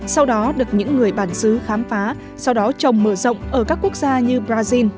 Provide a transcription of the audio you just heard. sau đó được những người bản xứ khám phá sau đó trồng mở rộng ở các quốc gia như brazil